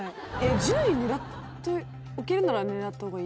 １０位狙っておけるなら狙った方がいい。